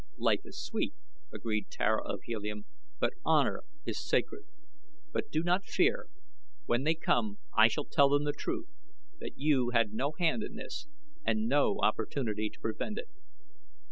"Life is sweet," agreed Tara of Helium, "but honor is sacred. But do not fear. When they come I shall tell them the truth that you had no hand in this and no opportunity to prevent it."